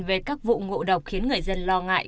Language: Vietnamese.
về các vụ ngộ độc khiến người dân lo ngại